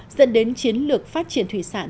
dẫn đến chiến lược phát triển thủy sản